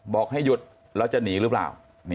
บอกให้หยุดแล้วจะหนีหรือเปล่า